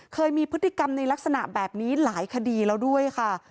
เคยมีพฤติกรรมในลักษณะแบบนี้หลายคดีแล้วด้วยค่ะ